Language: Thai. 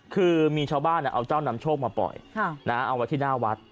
คือมีชาวบ้านเอาเจ้านำโชคมาปล่อยเอาไว้ที่หน้าวัด